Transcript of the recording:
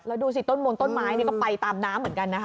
แล้วดูสิต้นมูลต้นไม้นี่ก็ไปตามน้ำเหมือนกันนะคะ